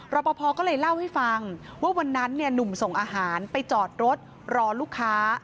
ปภก็เลยเล่าให้ฟังว่าวันนั้นเนี่ยหนุ่มส่งอาหารไปจอดรถรอลูกค้า